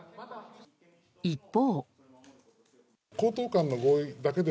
一方。